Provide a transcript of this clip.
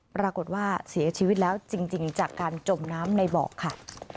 ปรากฏว่าเสียชีวิตแล้วจริงจากการจมน้ำในเบาะค่ะ